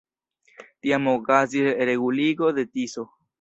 Tiam okazis reguligo de Tiso.